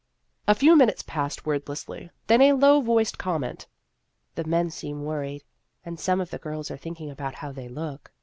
A few minutes passed wordlessly. Then a low voiced comment :" The men seem worried, and some of the girls are thinking about how they look."